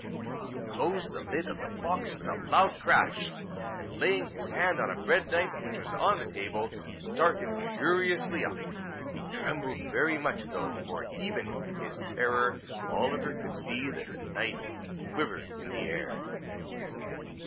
He closed the lid of the box with a loud crash; and, laying his hand on a bread knife which was on the table, started furiously up. He trembled very much though; for, even in his terror, Oliver could see that the knife quivered in the air.